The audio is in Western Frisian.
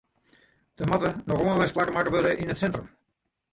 Der moatte noch oanlisplakken makke wurde yn it sintrum.